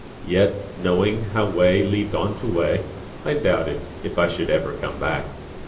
Yet knowing how way leads on to way,I doubted if I should ever come back.